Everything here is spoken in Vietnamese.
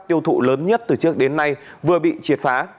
tiêu thụ lớn nhất từ trước đến nay vừa bị triệt phá